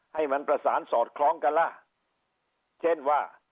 ให้มันประสานสอดคล้องกันล่ะเช่นว่า